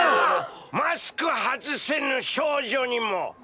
マスク外せぬ少女にも。